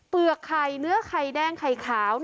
เปลือกไข่เนื้อไข่แดงไข่ขาว